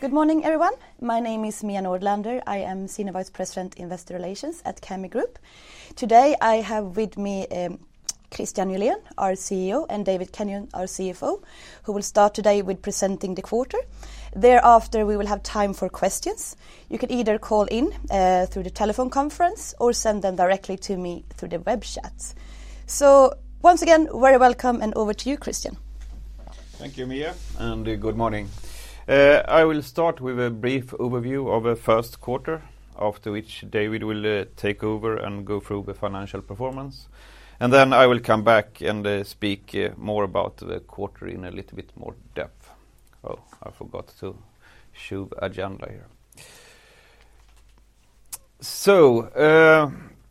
Good morning, everyone. My name is Mia Nordlander. I am Senior Vice President, Investor Relations at Kambi Group. Today, I have with me Kristian Nylén, our CEO, and David Kenyon, our CFO, who will start today with presenting the quarter. Thereafter, we will have time for questions. You can either call in through the telephone conference or send them directly to me through the web chat. Once again, very welcome, and over to you, Kristian. Thank you, Mia, and good morning. I will start with a brief overview of the first quarter, after which David will take over and go through the financial performance. I will come back and speak more about the quarter in a little bit more depth. I forgot to show agenda here.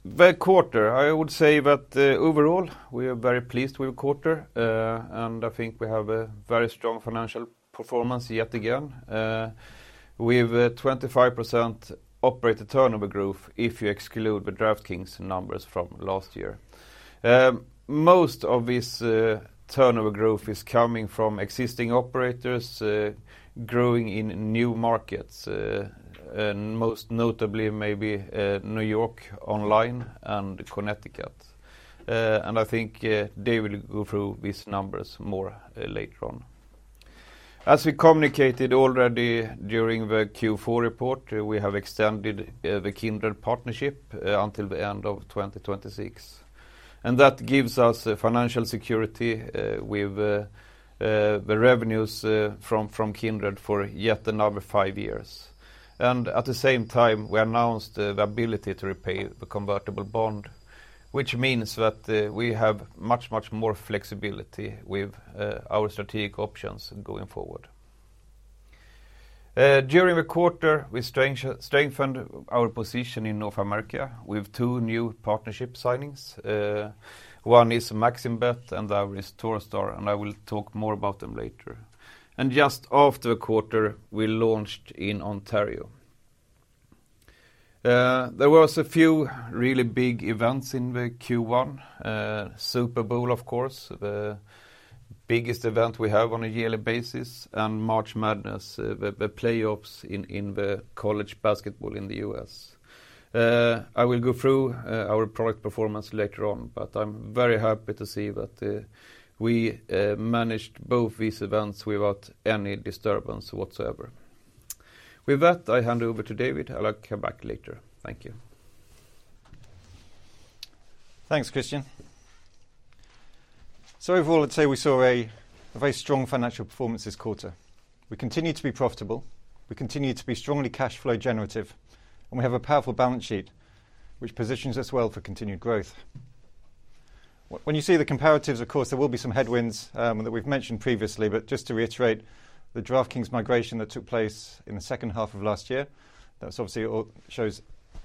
The quarter, I would say that overall, we are very pleased with the quarter, and I think we have a very strong financial performance yet again, with a 25% operator turnover growth if you exclude the DraftKings numbers from last year. Most of this turnover growth is coming from existing operators growing in new markets, and most notably maybe New York online and Connecticut. I think David will go through these numbers more later on. As we communicated already during the Q4 report, we have extended the Kindred partnership until the end of 2026. That gives us financial security with the revenues from Kindred for yet another five years. At the same time, we announced the ability to repay the convertible bond, which means that we have much more flexibility with our strategic options going forward. During the quarter, we strengthened our position in North America with two new partnership signings. One is MaximBet, and the other is NorthStar, and I will talk more about them later. Just after the quarter, we launched in Ontario. There was a few really big events in the Q1. Super Bowl, of course, the biggest event we have on a yearly basis, and March Madness, the playoffs in the college basketball in the U.S. I will go through our product performance later on, but I'm very happy to see that we managed both these events without any disturbance whatsoever. With that, I hand over to David. I will come back later. Thank you. Thanks, Kristian. Overall, I'd say we saw a very strong financial performance this quarter. We continue to be profitable. We continue to be strongly cash flow generative, and we have a powerful balance sheet, which positions us well for continued growth. When you see the comparatives, of course, there will be some headwinds that we've mentioned previously, but just to reiterate, the DraftKings migration that took place in the second half of last year. That's obviously shows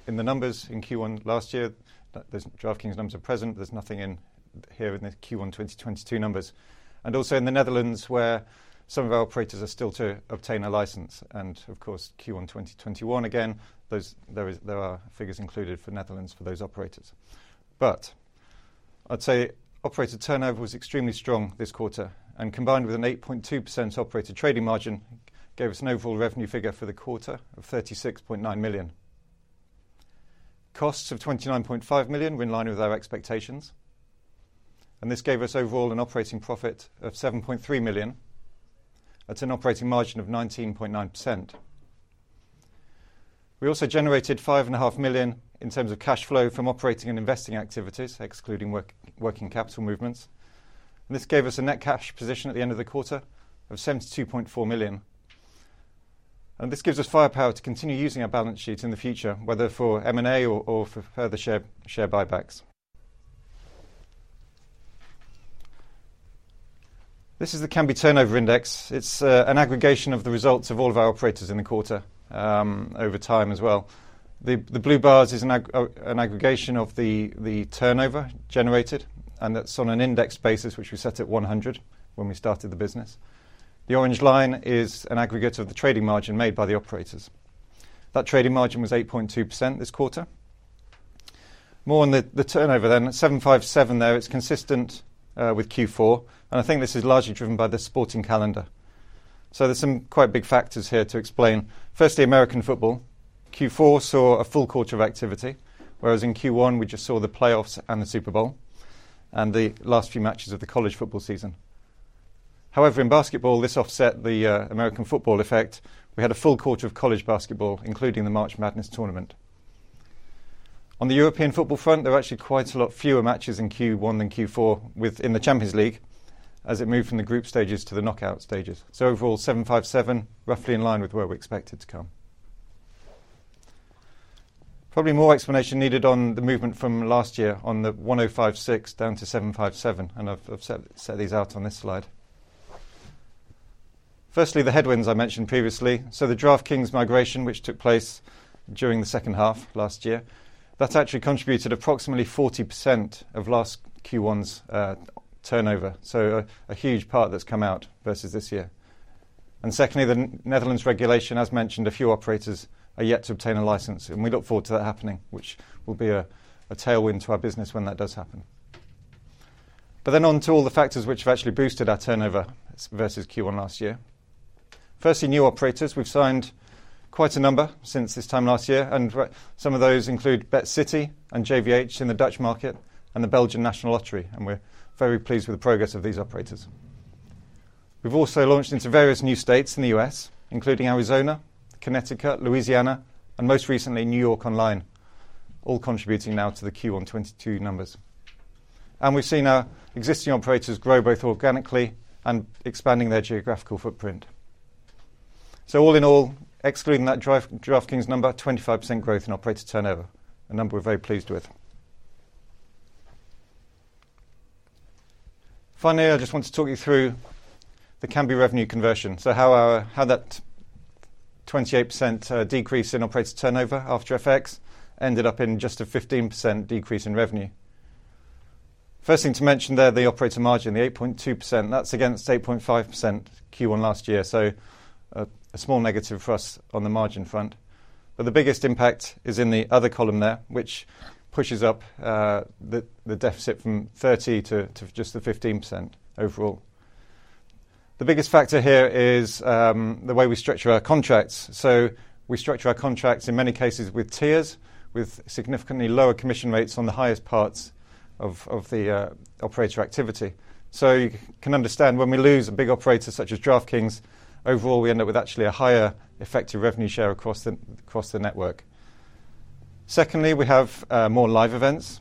in the numbers in Q1 last year. The DraftKings numbers are present. There's nothing in here in the Q1 2022 numbers. Also in the Netherlands, where some of our operators are still to obtain a license, and of course, Q1 2021, again, there are figures included for Netherlands for those operators. I'd say operator turnover was extremely strong this quarter, and combined with an 8.2% operator trading margin, gave us an overall revenue figure for the quarter of 36.9 million. Costs of 29.5 million were in line with our expectations. This gave us overall an operating profit of 7.3 million. That's an operating margin of 19.9%. We also generated 5.5 million in terms of cash flow from operating and investing activities, excluding working capital movements. This gave us a net cash position at the end of the quarter of 72.4 million. This gives us firepower to continue using our balance sheet in the future, whether for M&A or for further share buybacks. This is the Kambi Turnover Index. It's an aggregation of the results of all of our operators in the quarter, over time as well. The blue bars is an aggregation of the turnover generated, and that's on an index basis, which we set at 100 when we started the business. The orange line is an aggregate of the trading margin made by the operators. That trading margin was 8.2% this quarter. More on the turnover then, 757 there. It's consistent with Q4, and I think this is largely driven by the sporting calendar. There's some quite big factors here to explain. Firstly, American football. Q4 saw a full quarter of activity, whereas in Q1, we just saw the playoffs and the Super Bowl and the last few matches of the college football season. However, in basketball, this offset the American football effect. We had a full quarter of college basketball, including the March Madness tournament. On the European football front, there were actually quite a lot fewer matches in Q1 than Q4 in the Champions League as it moved from the group stages to the knockout stages. Overall, 757, roughly in line with where we expected to come. Probably more explanation needed on the movement from last year on the 1,056 down to 757, and I've set these out on this slide. Firstly, the headwinds I mentioned previously. The DraftKings migration, which took place during the second half last year, that's actually contributed approximately 40% of last Q1's turnover. A huge part that's come out versus this year. Secondly, the Netherlands regulation. As mentioned, a few operators are yet to obtain a license, and we look forward to that happening, which will be a tailwind to our business when that does happen. On to all the factors which have actually boosted our turnover versus Q1 last year. Firstly, new operators. We've signed quite a number since this time last year, and some of those include BetCity and JVH in the Dutch market and the Belgian National Lottery, and we're very pleased with the progress of these operators. We've also launched into various new states in the U.S., including Arizona, Connecticut, Louisiana, and most recently, New York Online, all contributing now to the Q1 2022 numbers. We've seen our existing operators grow both organically and expanding their geographical footprint. All in all, excluding that DraftKings number, 25% growth in operator turnover, a number we're very pleased with. Finally, I just want to talk you through the Kambi revenue conversion. How that 28% decrease in operator turnover after FX ended up in just a 15% decrease in revenue. First thing to mention there, the operator margin, the 8.2%, that's against 8.5% Q1 last year. A small negative for us on the margin front. The biggest impact is in the other column there, which pushes up the deficit from 30% to just the 15% overall. The biggest factor here is the way we structure our contracts. We structure our contracts in many cases with tiers, with significantly lower commission rates on the highest parts of the operator activity. You can understand when we lose a big operator such as DraftKings, overall, we end up with actually a higher effective revenue share across the network. Secondly, we have more live events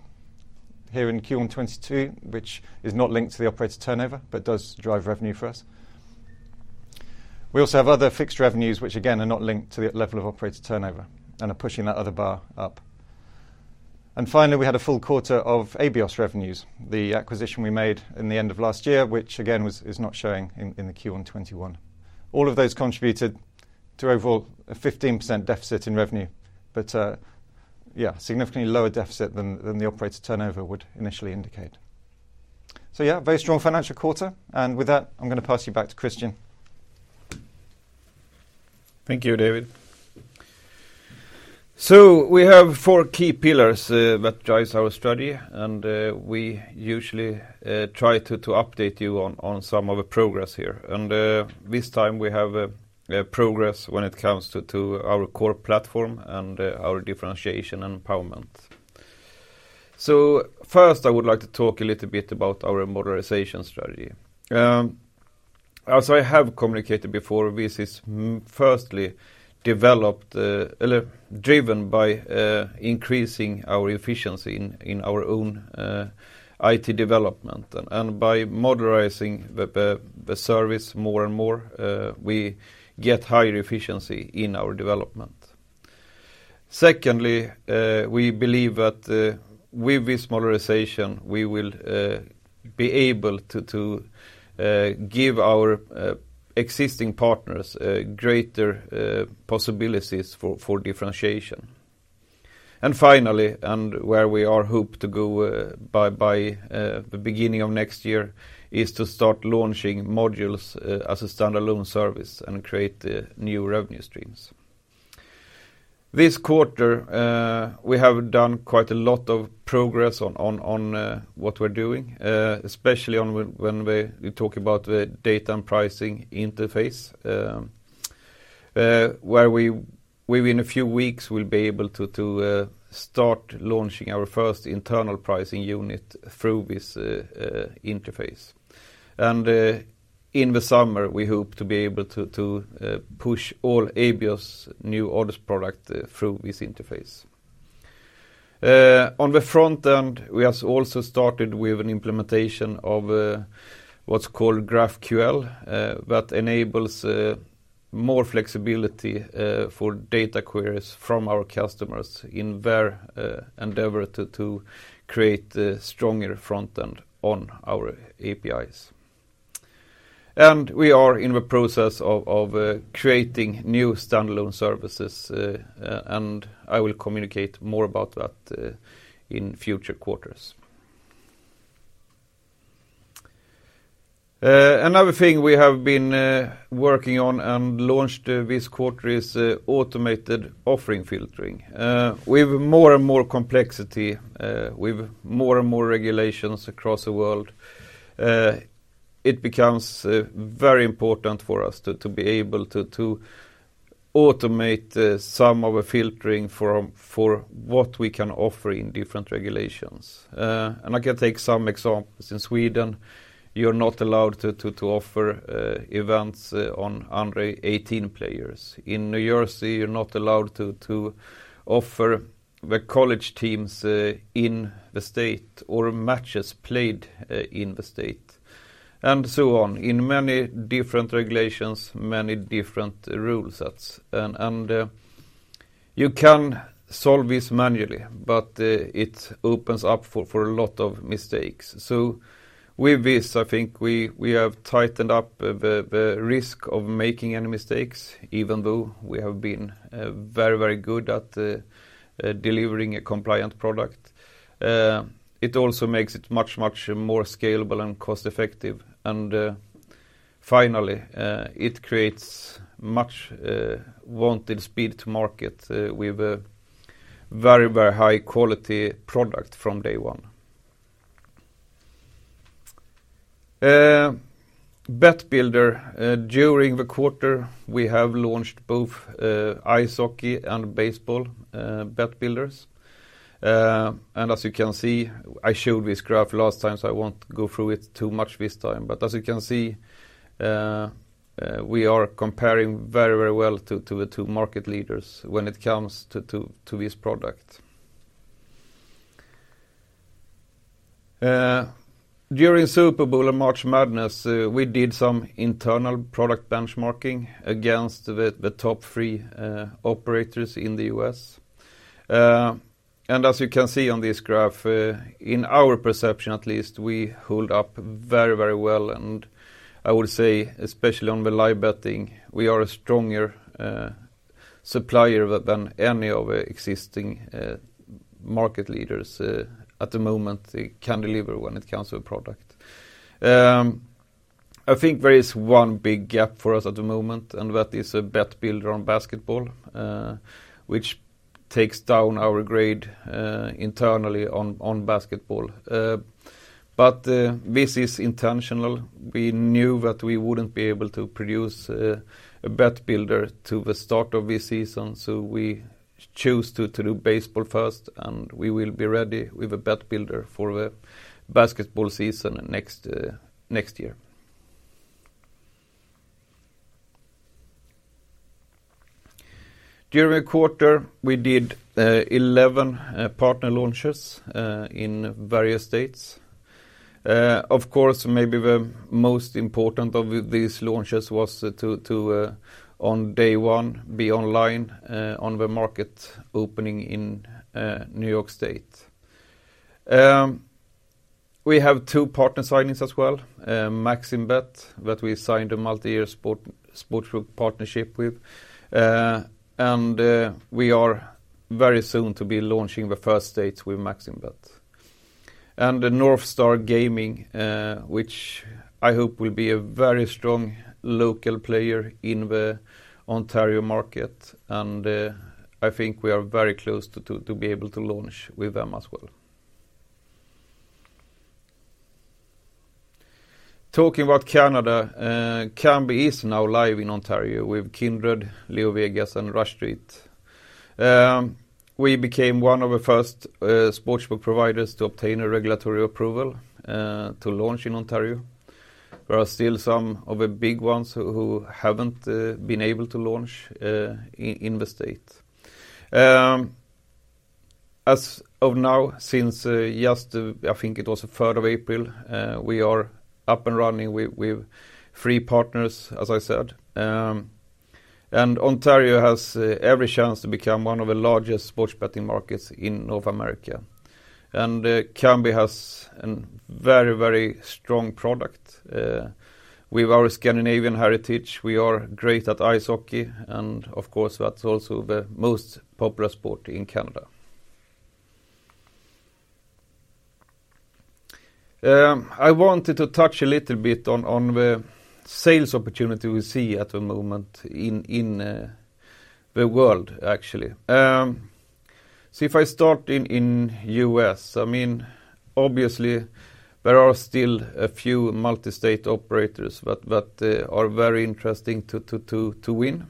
here in Q1 2022, which is not linked to the operator turnover, but does drive revenue for us. We also have other fixed revenues, which again are not linked to the level of operator turnover and are pushing that other bar up. Finally, we had a full quarter of Abios revenues, the acquisition we made in the end of last year, which again is not showing in the Q1 2021. All of those contributed to overall a 15% deficit in revenue. Yeah, significantly lower deficit than the operator turnover would initially indicate. Yeah, very strong financial quarter. With that, I'm gonna pass you back to Kristian. Thank you, David. We have four key pillars that drives our strategy, and we usually try to update you on some of the progress here. This time we have a progress when it comes to our core platform and our differentiation and empowerment. First, I would like to talk a little bit about our modernization strategy. As I have communicated before, this is firstly developed, driven by increasing our efficiency in our own IT development. By modernizing the service more and more, we get higher efficiency in our development. Secondly, we believe that with this modernization, we will be able to give our existing partners a greater possibilities for differentiation. Finally, where we hope to go by the beginning of next year, is to start launching modules as a standalone service and create new revenue streams. This quarter, we have done quite a lot of progress on what we're doing, especially when we talk about the data and pricing interface, where we, within a few weeks, we'll be able to start launching our first internal pricing unit through this interface. In the summer, we hope to be able to push all Abios new odds product through this interface. On the front end, we have also started with an implementation of what's called GraphQL that enables more flexibility for data queries from our customers in their endeavor to create a stronger front end on our APIs. We are in the process of creating new standalone services. I will communicate more about that in future quarters. Another thing we have been working on and launched this quarter is automated offering filtering. With more and more complexity with more and more regulations across the world, it becomes very important for us to be able to automate some of the filtering for what we can offer in different regulations. I can take some examples. In Sweden, you're not allowed to offer events on under 18 players. In New Jersey, you're not allowed to offer the college teams in the state or matches played in the state, and so on. In many different regulations, many different rule sets. You can solve this manually, but it opens up for a lot of mistakes. With this, I think we have tightened up the risk of making any mistakes, even though we have been very, very good at delivering a compliant product. It also makes it much, much more scalable and cost-effective. Finally, it creates much wanted speed to market with a very, very high quality product from day one. Bet Builder, during the quarter, we have launched both ice hockey and baseball Bet Builder. As you can see, I showed this graph last time, so I won't go through it too much this time. As you can see, we are comparing very, very well to the two market leaders when it comes to this product. During Super Bowl and March Madness, we did some internal product benchmarking against the top three operators in the U.S. As you can see on this graph, in our perception at least, we hold up very, very well. I would say, especially on the live betting, we are a stronger supplier than any of the existing market leaders at the moment can deliver when it comes to a product. I think there is one big gap for us at the moment, and that is a Bet Builder on basketball, which takes down our grade internally on basketball. This is intentional. We knew that we wouldn't be able to produce a Bet Builder to the start of this season, so we choose to do baseball first, and we will be ready with a Bet Builder for the basketball season next year. During the quarter, we did 11 partner launches in various states. Of course, maybe the most important of these launches was to be online on day one on the market opening in New York State. We have two partner signings as well. MaximBet, that we signed a multi-year sportsbook partnership with. We are very soon to be launching in the first state with MaximBet. The NorthStar Gaming, which I hope will be a very strong local player in the Ontario market. I think we are very close to be able to launch with them as well. Talking about Canada, Kambi is now live in Ontario with Kindred, LeoVegas, and Rush Street. We became one of the first sportsbook providers to obtain a regulatory approval to launch in Ontario. There are still some of the big ones who haven't been able to launch in the state. As of now, since just, I think it was the third of April, we are up and running with three partners, as I said. Ontario has every chance to become one of the largest sports betting markets in North America. Kambi has a very, very strong product with our Scandinavian heritage. We are great at ice hockey, and of course, that's also the most popular sport in Canada. I wanted to touch a little bit on the sales opportunity we see at the moment in the world, actually. If I start in the U.S., I mean, obviously there are still a few multi-state operators that are very interesting to win,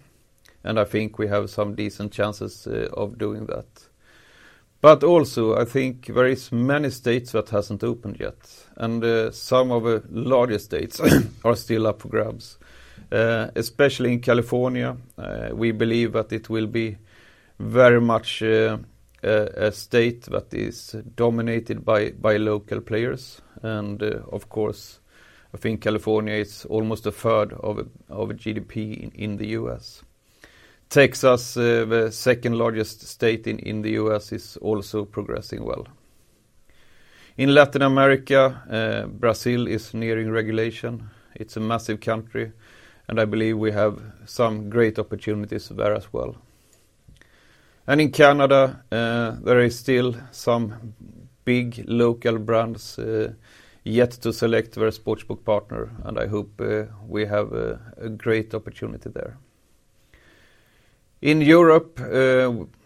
and I think we have some decent chances of doing that. Also, I think there is many states that hasn't opened yet, and some of the largest states are still up for grabs, especially in California. We believe that it will be very much a state that is dominated by local players. Of course, I think California is almost a third of GDP in the U.S. Texas, the second-largest state in the U.S., is also progressing well. In Latin America, Brazil is nearing regulation. It's a massive country, and I believe we have some great opportunities there as well. In Canada, there is still some big local brands yet to select their sportsbook partner, and I hope we have a great opportunity there. In Europe,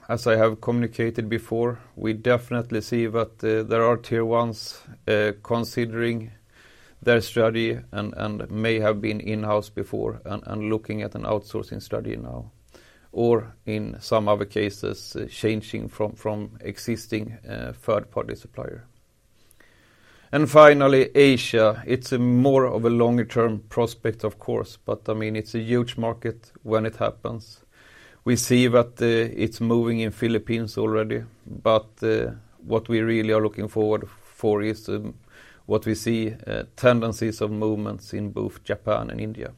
as I have communicated before, we definitely see that there are tier ones considering their strategy and may have been in-house before and looking at an outsourcing strategy now, or in some other cases, changing from existing third-party supplier. Finally, Asia. It's a more of a longer term prospect of course, but I mean, it's a huge market when it happens. We see that it's moving in Philippines already, but what we really are looking forward for is what we see tendencies of movements in both Japan and India.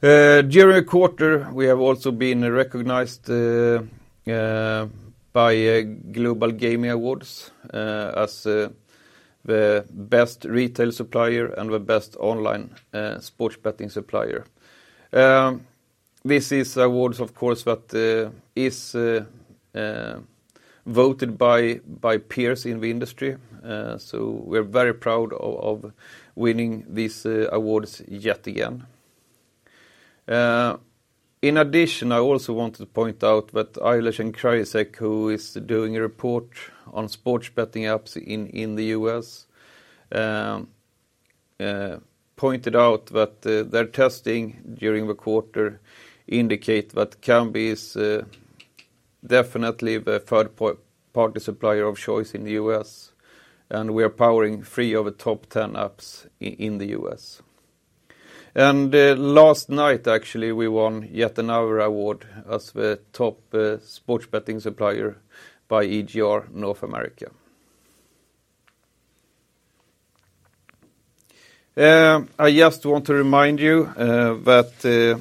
During the quarter, we have also been recognized by Global Gaming Awards as the best retail supplier and the best online sports betting supplier. This is awards, of course, that is voted by peers in the industry. We're very proud of winning these awards yet again. In addition, I also wanted to point out that Eilers & Krejcik who is doing a report on sports betting apps in the U.S., pointed out that their testing during the quarter indicate that Kambi is definitely the third party supplier of choice in the U.S., and we are powering three of the top 10 apps in the U.S. Last night, actually, we won yet another award as the top sports betting supplier by EGR North America. I just want to remind you that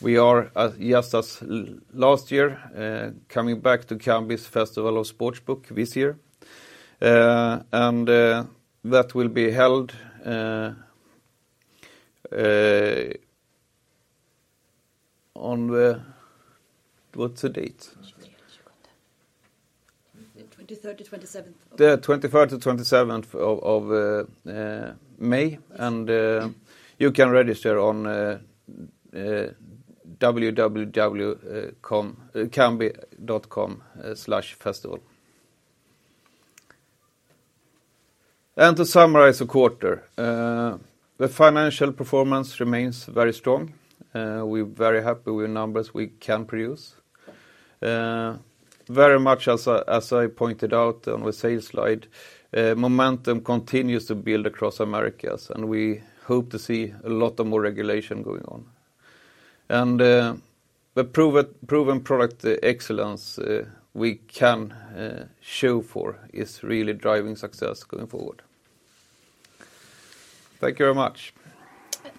we are just as last year, coming back to Kambi's Festival of Sportsbook this year. That will be held on. What's the date? 23rd-27th. The 23rd-27th of May. Yes. You can register on www.kambi.com/slash festival. To summarize the quarter. The financial performance remains very strong. We're very happy with numbers we can produce. Very much as I pointed out on the sales slide, momentum continues to build across Americas, and we hope to see a lot more regulation going on. The proven product excellence we can show for is really driving success going forward. Thank you very much.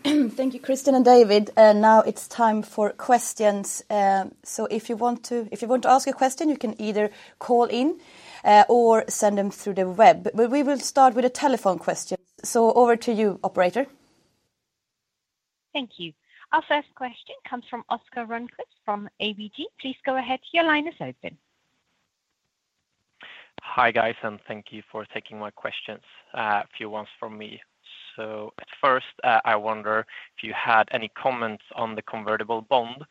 Thank you, Kristian and David. Now it's time for questions. If you want to ask a question, you can either call in or send them through the web. We will start with a telephone question. Over to you, operator. Thank you. Our first question comes from Oscar Rönnkvist from ABG. Please go ahead, your line is open. Hi, guys, and thank you for taking my questions. A few ones from me. At first, I wonder if you had any comments on the convertible bond.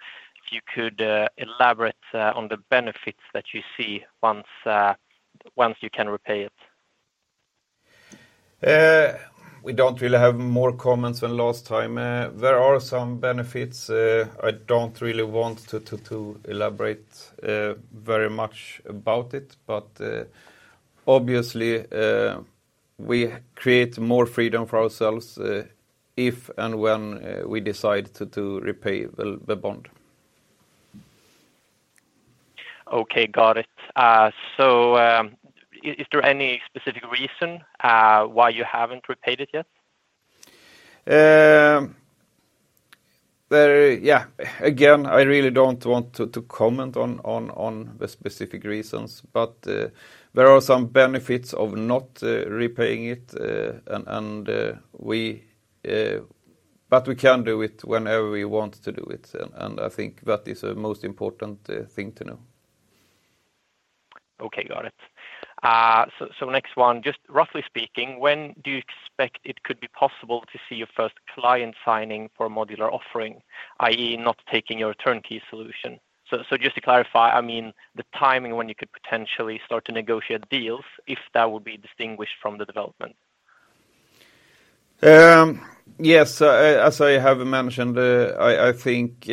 If you could elaborate on the benefits that you see once you can repay it. We don't really have more comments than last time. There are some benefits. I don't really want to elaborate very much about it. Obviously, we create more freedom for ourselves, if and when we decide to repay the bond. Okay. Got it. Is there any specific reason why you haven't repaid it yet? Again, I really don't want to comment on the specific reasons. There are some benefits of not repaying it. We can do it whenever we want to do it. I think that is the most important thing to know. Okay, got it. Next one. Just roughly speaking, when do you expect it could be possible to see your first client signing for a modular offering, i.e. not taking your turnkey solution? Just to clarify, I mean, the timing when you could potentially start to negotiate deals, if that would be distinguished from the development. Yes. As I have mentioned, I think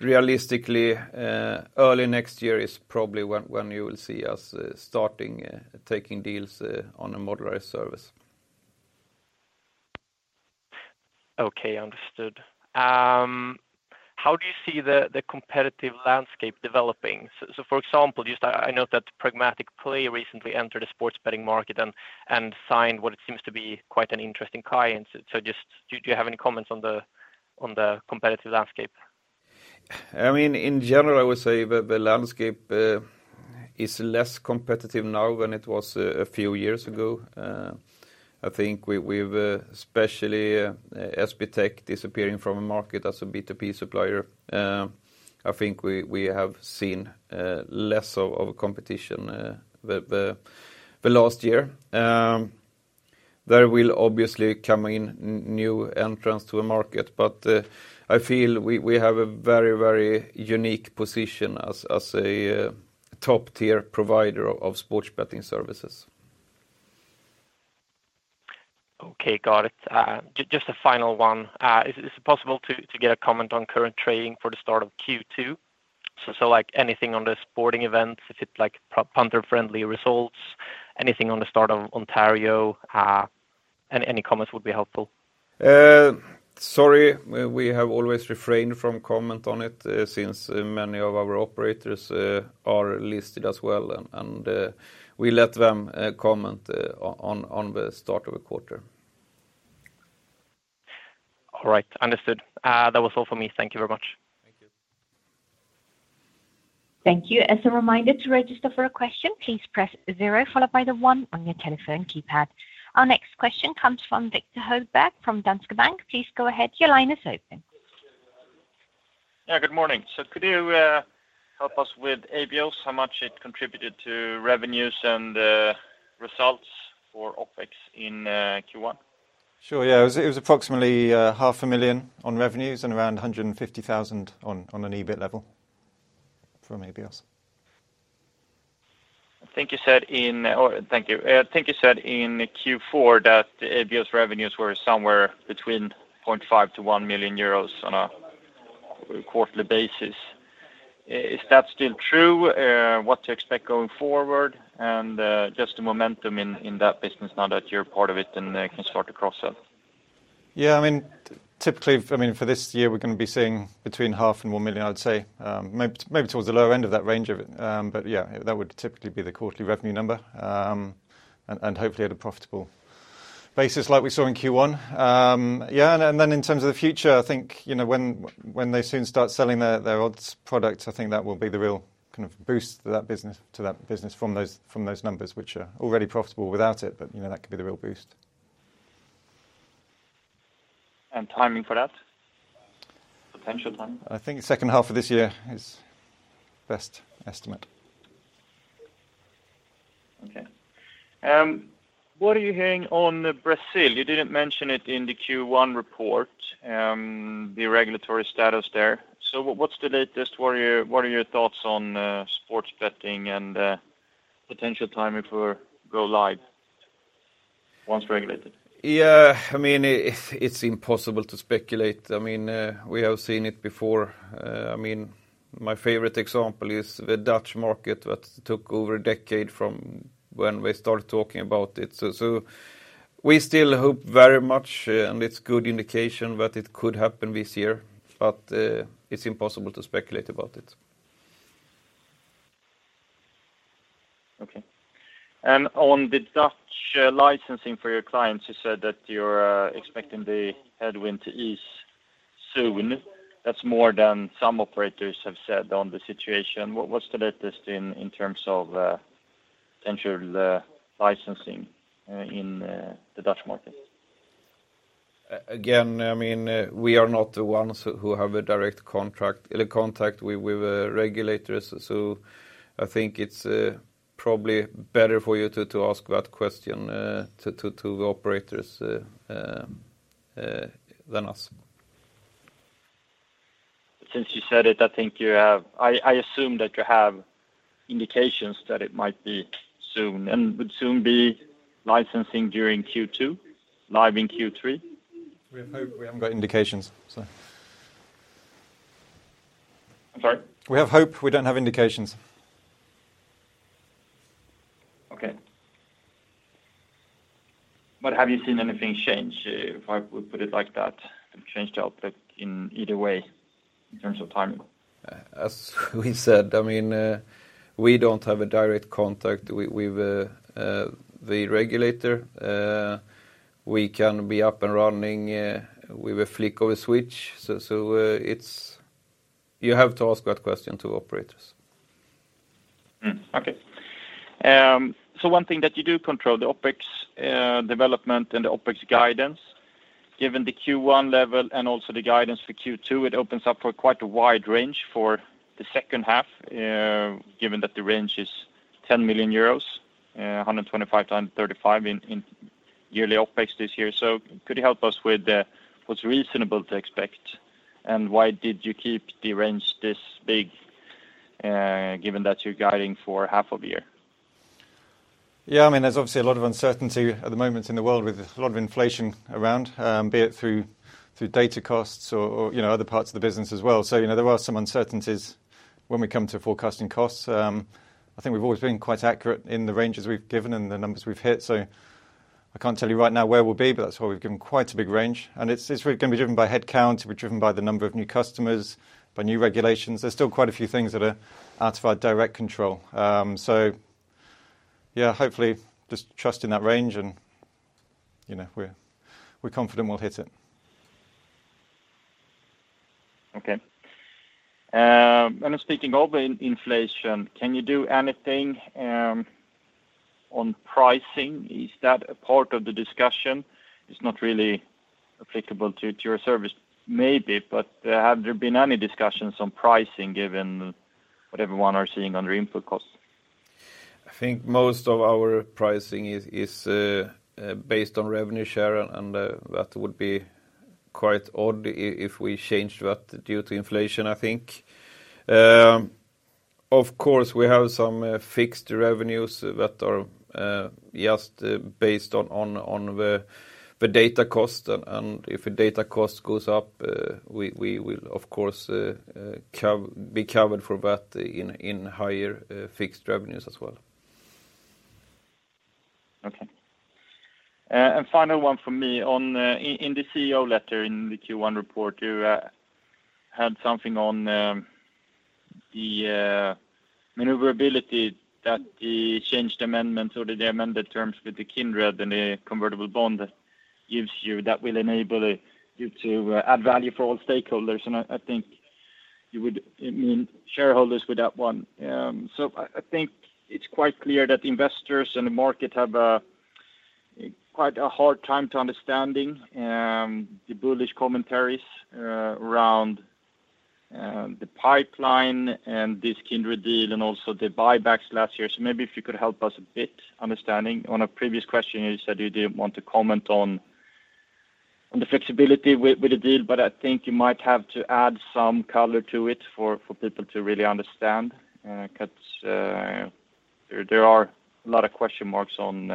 realistically early next year is probably when you will see us starting taking deals on a modularized service. Okay. Understood. How do you see the competitive landscape developing? For example, just I know that Pragmatic Play recently entered a sports betting market and signed what it seems to be quite an interesting client. Just do you have any comments on the competitive landscape? I mean, in general, I would say the landscape is less competitive now than it was a few years ago. I think we've especially SBTech disappearing from the market as a B2B supplier. I think we have seen less of competition the last year. There will obviously come in new entrants to the market, but I feel we have a very unique position as a top-tier provider of sports betting services. Okay. Got it. Just a final one. Is it possible to get a comment on current trading for the start of Q2? Like, anything on the sporting events? Is it like punter-friendly results? Anything on the start of Ontario? Any comments would be helpful. Sorry. We have always refrained from comment on it, since many of our operators are listed as well. We let them comment on the start of the quarter. All right. Understood. That was all for me. Thank you very much. Thank you. As a reminder to register for a question, please press zero followed by the one on your telephone keypad. Our next question comes from Viktor Högberg from Danske Bank. Please go ahead. Your line is open. Yeah, good morning. Could you help us with Abios, how much it contributed to revenues and results for OpEx in Q1? Sure. Yeah. It was approximately 500,000 on revenues and around 150,000 on an EBIT level from Abios. I think you said in Q4 that the Abios revenues were somewhere between 500,000-1 million euros on a quarterly basis. Is that still true? What to expect going forward and just the momentum in that business now that you're part of it and can start to cross sell? Yeah, I mean, typically, I mean, for this year, we're gonna be seeing between half and 1 million EUR, I'd say, maybe towards the lower end of that range of it. Yeah, that would typically be the quarterly revenue number. Hopefully at a profitable basis like we saw in Q1. Yeah, then in terms of the future, I think, you know, when they soon start selling their odds product, I think that will be the real kind of boost to that business from those numbers which are already profitable without it. You know, that could be the real boost. Timing for that? Potential time. I think second half of this year is best estimate. Okay. What are you hearing on Brazil? You didn't mention it in the Q1 report, the regulatory status there. What's the latest? What are your thoughts on sports betting and potential timing for go live once regulated? Yeah, I mean, it's impossible to speculate. I mean, we have seen it before. I mean, my favorite example is the Dutch market that took over a decade from when we started talking about it. We still hope very much and it's good indication that it could happen this year, but it's impossible to speculate about it. Okay. On the Dutch licensing for your clients, you said that you're expecting the headwind to ease soon. That's more than some operators have said on the situation. What's the latest in terms of essential licensing in the Dutch market? Again, I mean, we are not the ones who have a direct contact with regulators. I think it's probably better for you to ask that question to the operators than us. Since you said it, I think I assume that you have indications that it might be soon and would soon be licensing during Q2, live in Q3. We have hope. We haven't got indications, so. I'm sorry? We have hope. We don't have indications. Okay. Have you seen anything change, if I would put it like that? Have you changed your outlook in either way in terms of timing? As we said, I mean, we don't have a direct contact with the regulator. We can be up and running with a flick of a switch. You have to ask that question to operators. One thing that you do control, the OpEx development and the OpEx guidance, given the Q1 level and also the guidance for Q2, it opens up for quite a wide range for the second half, given that the range is 10 million euros, 125 to 135 in yearly OpEx this year. Could you help us with what's reasonable to expect, and why did you keep the range this big, given that you're guiding for half of the year? Yeah, I mean, there's obviously a lot of uncertainty at the moment in the world with a lot of inflation around, be it through data costs or, you know, other parts of the business as well. You know, there are some uncertainties when we come to forecasting costs. I think we've always been quite accurate in the ranges we've given and the numbers we've hit. I can't tell you right now where we'll be, but that's why we've given quite a big range. It's really gonna be driven by head count, the number of new customers, by new regulations. There's still quite a few things that are out of our direct control. Yeah, hopefully just trust in that range and, you know, we're confident we'll hit it. Okay. Speaking of inflation, can you do anything on pricing? Is that a part of the discussion? It's not really applicable to your service maybe, but have there been any discussions on pricing given what everyone are seeing on their input costs? I think most of our pricing is based on revenue share, and that would be quite odd if we changed that due to inflation, I think. Of course, we have some fixed revenues that are just based on the data cost. If the data cost goes up, we will of course be covered for that in higher fixed revenues as well. Okay. Final one for me on, in the CEO letter in the Q1 report, you had something on the maneuverability that the changed amendment or the amended terms with Kindred and the convertible bond gives you that will enable you to add value for all stakeholders, and I think you would. I mean, shareholders would want that one. So I think it's quite clear that investors in the market have quite a hard time understanding the bullish commentaries around the pipeline and this Kindred deal and also the buybacks last year. So maybe if you could help us a bit understanding. On a previous question, you said you didn't want to comment on the flexibility with the deal, but I think you might have to add some color to it for people to really understand. 'Cause there are a lot of question marks on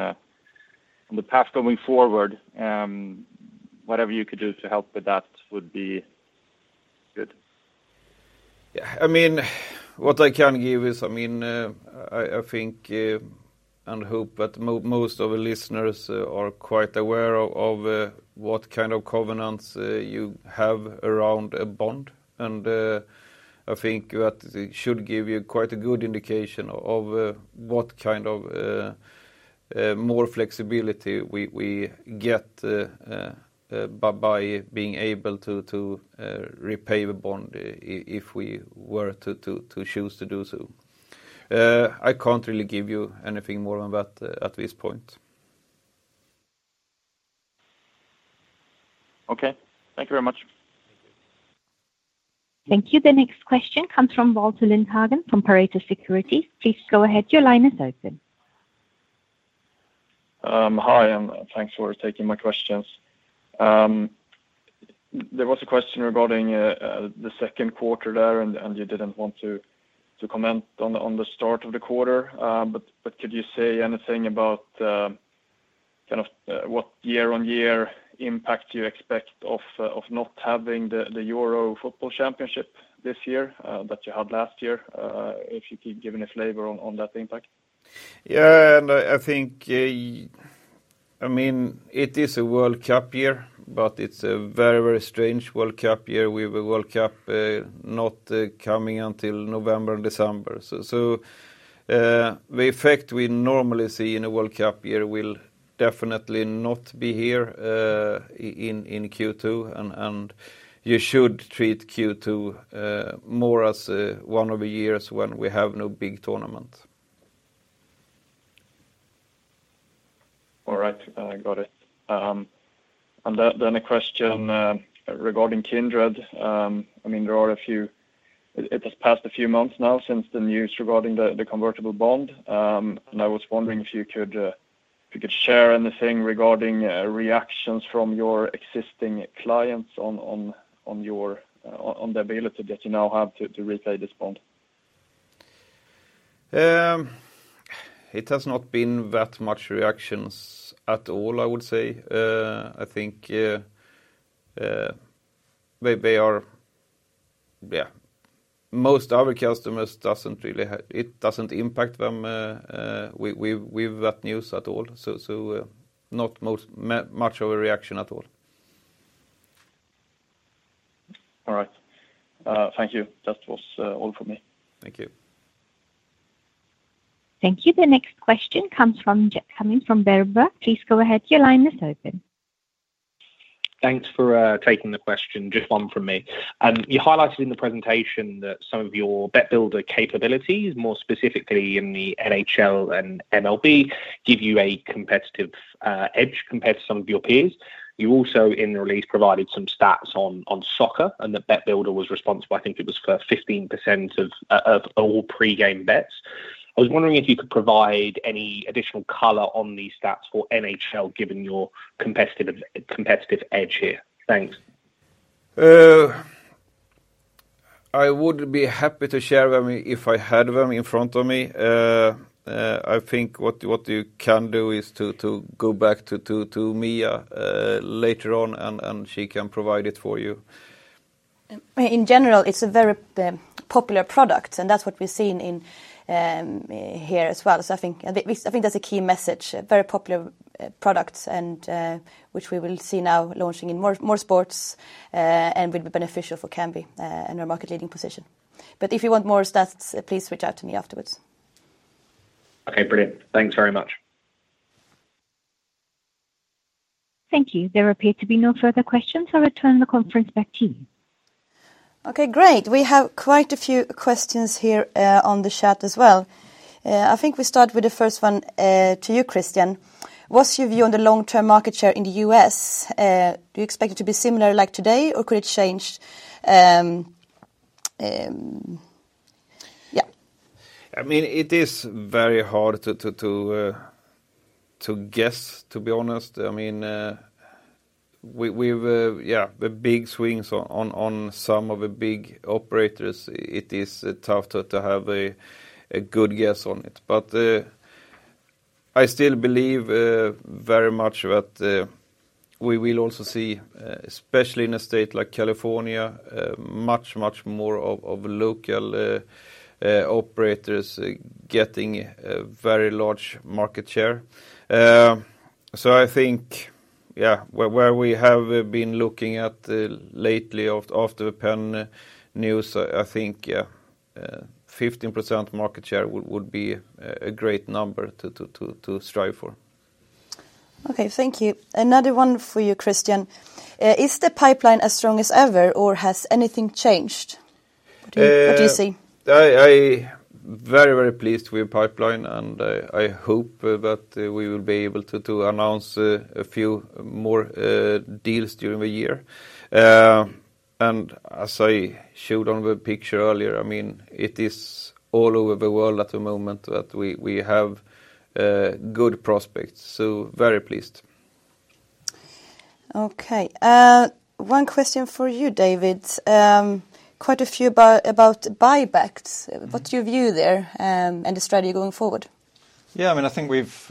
the path going forward. Whatever you could do to help with that would be good. Yeah. I mean, what I can give is, I mean, I think and hope that most of the listeners are quite aware of what kind of covenants you have around a bond. I think that should give you quite a good indication of what kind of more flexibility we get by being able to repay the bond if we were to choose to do so. I can't really give you anything more on that at this point. Okay. Thank you very much. Thank you. The next question comes from Walter Lindhagen from Pareto Securities. Please go ahead, your line is open. Hi, thanks for taking my questions. There was a question regarding the second quarter there, and you didn't want to comment on the start of the quarter. Could you say anything about kind of what year-on-year impact you expect of not having the Euro Football Championship this year that you had last year? If you could give any flavor on that impact. Yeah. I think, I mean, it is a World Cup year, but it's a very, very strange World Cup year, with the World Cup not coming until November and December. So, the effect we normally see in a World Cup year will definitely not be here, in Q2. You should treat Q2 more as one of the years when we have no big tournament. All right. Got it. A question regarding Kindred. I mean, it has passed a few months now since the news regarding the convertible bond. I was wondering if you could share anything regarding reactions from your existing clients on the ability that you now have to repay this bond. It has not been that much reactions at all, I would say. I think they are. Most of our customers doesn't really. It doesn't impact them with that news at all. Not much of a reaction at all. All right. Thank you. That was all for me. Thank you. Thank you. The next question comes from Jack Cummings from Berenberg. Please go ahead, your line is open. Thanks for taking the question. Just one from me. You highlighted in the presentation that some of your Bet Builder capabilities, more specifically in the NHL and MLB, give you a competitive edge compared to some of your peers. You also, in the release, provided some stats on soccer, and the Bet Builder was responsible, I think it was for 15% of all pre-game bets. I was wondering if you could provide any additional color on these stats for NHL, given your competitive edge here. Thanks. I would be happy to share them if I had them in front of me. I think what you can do is to go back to Mia later on, and she can provide it for you. In general, it's a very popular product, and that's what we've seen in here as well. I think, at least, that's a key message, a very popular product and which we will see now launching in more sports and will be beneficial for Kambi and our market-leading position. If you want more stats, please reach out to me afterwards. Okay, brilliant. Thanks very much. Thank you. There appear to be no further questions. I'll return the conference back to you. Okay, great. We have quite a few questions here on the chat as well. I think we start with the first one to you, Kristian. What's your view on the long-term market share in the U.S.? Do you expect it to be similar like today, or could it change? Yeah. I mean, it is very hard to guess, to be honest. I mean, we have the big swings on some of the big operators, it is tough to have a good guess on it. I still believe very much that we will also see, especially in a state like California, much more of local operators getting a very large market share. I think, where we have been looking at lately after the Penn news, I think. 15% market share would be a great number to strive for. Okay. Thank you. Another one for you, Kristian. Is the pipeline as strong as ever, or has anything changed? What do you see? I very pleased with pipeline and I hope that we will be able to announce a few more deals during the year. As I showed on the picture earlier, I mean, it is all over the world at the moment that we have good prospects. Very pleased. Okay. One question for you, David. Quite a few about buybacks. What's your view there, and the strategy going forward? Yeah, I mean, I think we've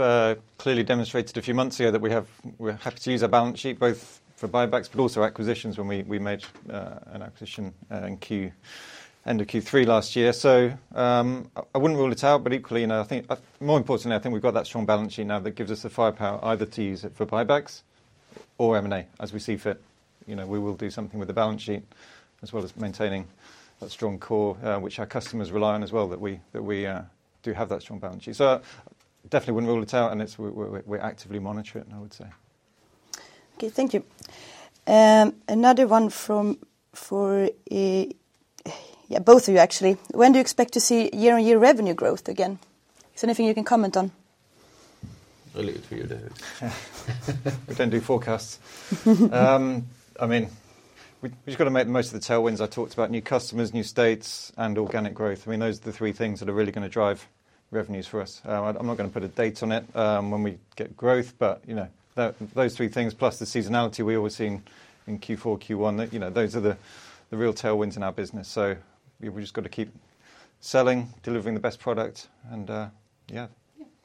clearly demonstrated a few months ago that we're happy to use our balance sheet both for buybacks, but also acquisitions when we made an acquisition end of Q3 last year. I wouldn't rule it out, but equally, you know, I think more importantly, I think we've got that strong balance sheet now that gives us the firepower either to use it for buybacks or M&A as we see fit. You know, we will do something with the balance sheet as well as maintaining a strong core, which our customers rely on as well that we do have that strong balance sheet. Definitely wouldn't rule it out, and we're actively monitoring it, I would say. Okay. Thank you. Another one for, yeah, both of you actually. When do you expect to see year-on-year revenue growth again? Is there anything you can comment on? I'll leave it for you, David. We can't do forecasts. I mean, we've gotta make the most of the tailwinds. I talked about new customers, new states, and organic growth. I mean, those are the three things that are really gonna drive revenues for us. I'm not gonna put a date on it, when we get growth, but you know, those three things plus the seasonality we always seen in Q4, Q1, you know, those are the real tailwinds in our business. We've just gotta keep selling, delivering the best product and, yeah,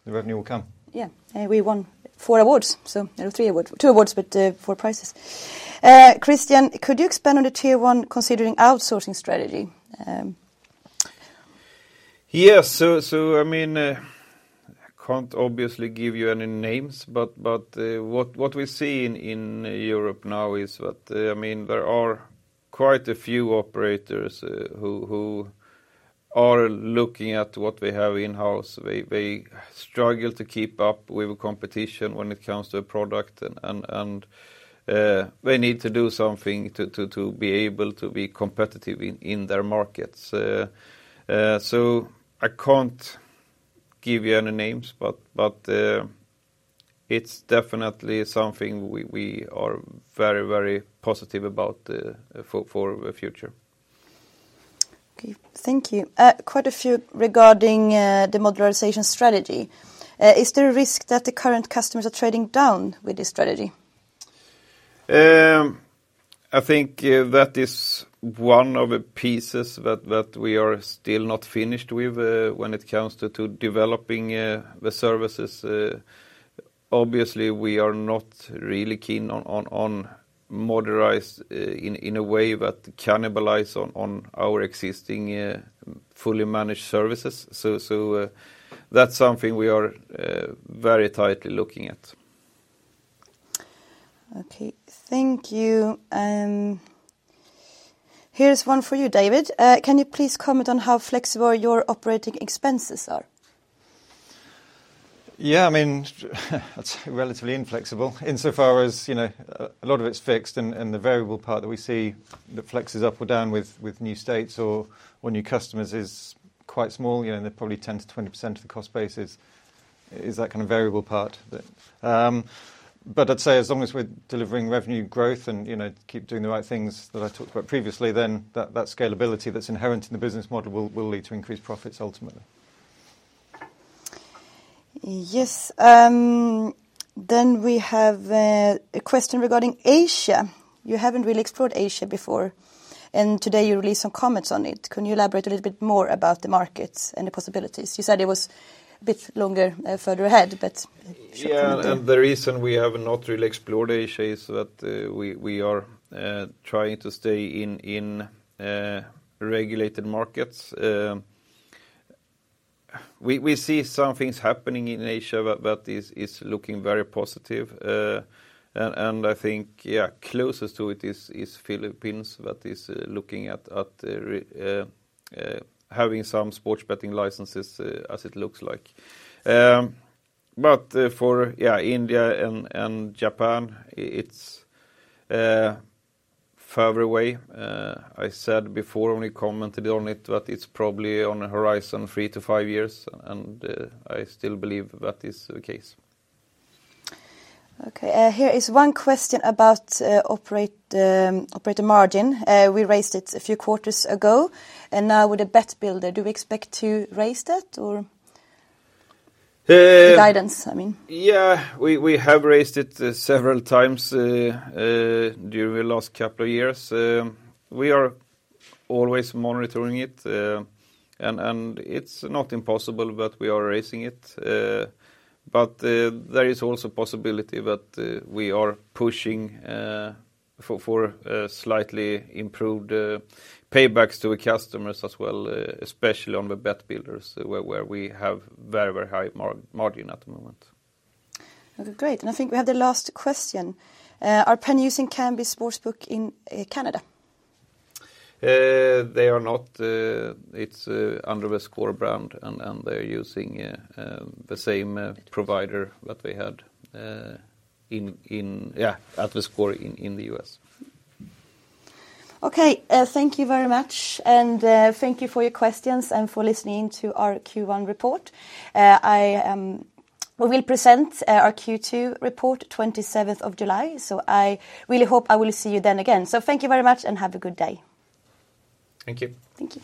the revenue will come. Yeah. We won two awards, but four prizes. Kristian, could you expand on the Tier 1 considering outsourcing strategy? Yes. I mean, can't obviously give you any names, but what we see in Europe now is that, I mean, there are quite a few operators who are looking at what they have in-house. They struggle to keep up with competition when it comes to product and they need to do something to be able to be competitive in their markets. I can't give you any names, but it's definitely something we are very, very positive about for the future. Okay. Thank you. Quite a few regarding the modularization strategy. Is there a risk that the current customers are trading down with this strategy? I think that is one of the pieces that we are still not finished with when it comes to developing the services. Obviously we are not really keen on modularized in a way that cannibalize on our existing fully managed services. That's something we are very tightly looking at. Okay. Thank you. Here's one for you, David. Can you please comment on how flexible your operating expenses are? Yeah. I mean, relatively inflexible insofar as, you know, a lot of it's fixed and the variable part that we see that flexes up or down with new states or new customers is quite small. You know, they're probably 10%-20% of the cost base is that kind of variable part. I'd say as long as we're delivering revenue growth and, you know, keep doing the right things that I talked about previously, then that scalability that's inherent in the business model will lead to increased profits ultimately. Yes. We have a question regarding Asia. You haven't really explored Asia before, and today you released some comments on it. Can you elaborate a little bit more about the markets and the possibilities? You said it was a bit longer, further ahead, but Yeah. Certainly. The reason we have not really explored Asia is that we are trying to stay in regulated markets. We see some things happening in Asia that is looking very positive. I think closest to it is Philippines that is looking at having some sports betting licenses, as it looks like. For India and Japan, it's further away. I said before when we commented on it that it's probably on the horizon three to five years, and I still believe that is the case. Here is one question about operator margin. We raised it a few quarters ago, and now with the Bet Builder, do we expect to raise that or? Uh- The guidance, I mean. Yeah. We have raised it several times during the last couple of years. We are always monitoring it, and it's not impossible that we are raising it. But there is also possibility that we are pushing for slightly improved paybacks to the customers as well, especially on the Bet Builder where we have very high margin at the moment. Okay, great. I think we have the last question. Are Penn using Kambi Sportsbook in Canada? They are not. It's under theScore brand, and they're using the same provider that they had at theScore in the U.S. Okay. Thank you very much, and thank you for your questions and for listening to our Q1 report. We will present our Q2 report 27th of July, so I really hope I will see you then again. Thank you very much and have a good day. Thank you. Thank you.